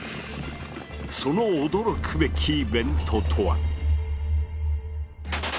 その驚くべきイベントとは？